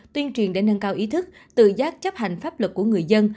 tuyên truyền để nâng cao ý thức tự giác chấp hành pháp luật của người dân